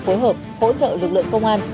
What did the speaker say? phối hợp hỗ trợ lực lượng công an